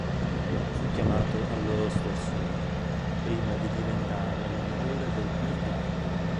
Fu chiamato allo Östersund, prima di diventare allenatore del Djurgården.